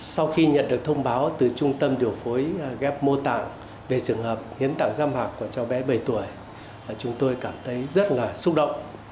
sau khi nhận được thông báo từ trung tâm điều phối ghép mô tạng về trường hợp hiến tặng da mạc của cháu bé bảy tuổi chúng tôi cảm thấy rất là xúc động